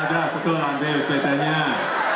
ya udah aku tuh ambil pertanyaan